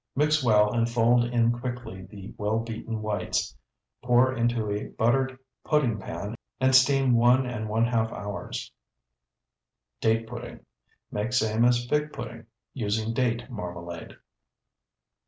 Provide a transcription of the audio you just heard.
Mix well and fold in quickly the well beaten whites. Pour into a buttered pudding pan and steam one and one half hours. DATE PUDDING Make same as fig pudding, using date marmalade.